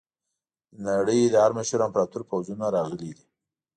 د نړۍ د هر مشهور امپراتور پوځونه راغلي دي.